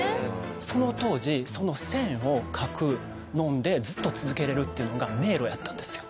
その当時その線を描くものでずっと続けられるっていうのが迷路やったんですよ。